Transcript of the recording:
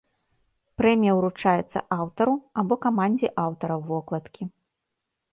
Прэмія ўручаецца аўтару або камандзе аўтараў вокладкі.